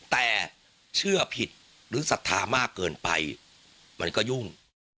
แต่เชื่อผิดหรือศรัทธามากเกินไปมันก็ยุ่ง